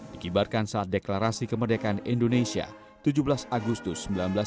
dikibarkan saat deklarasi kemerdekaan indonesia tujuh belas agustus seribu sembilan ratus empat puluh